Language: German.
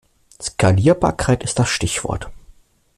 Skalierbarkeit ist das Stichwort.